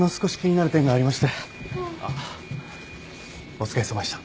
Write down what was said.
お疲れさまでした。